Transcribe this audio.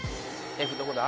Ｆどこだ？